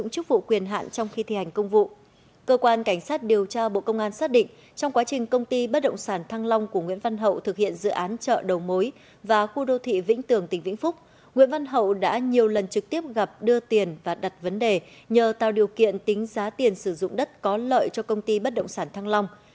cao đại nghĩa phó trưởng phòng giá cục quy hoạch và phát triển tài chính tỉnh vĩnh phúc nguyễn văn hậu đã nhiều lần trực tiếp gặp đưa tiền và đặt vấn đề nhờ tạo điều kiện tính giá tiền sử dụng đất có lợi cho công ty bất động sản thăng long